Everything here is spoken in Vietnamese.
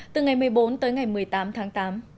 từ ngày một mươi bốn tới ngày một mươi tám tháng tám